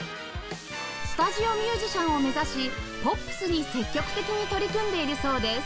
スタジオミュージシャンを目指しポップスに積極的に取り組んでいるそうです